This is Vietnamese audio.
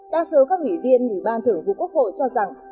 đa số các ủy viên ủy ban thưởng vụ quốc hội cho rằng